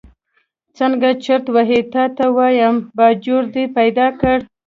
څنګه چرت وهې تا ته وایم، باجوړ دې پیدا کړ.